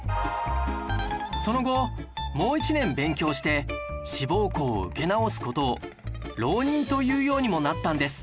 その後もう１年勉強して志望校を受け直す事を「浪人」と言うようにもなったんです